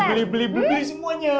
beli beli beli semuanya